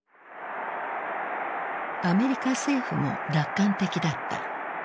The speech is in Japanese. アメリカ政府も楽観的だった。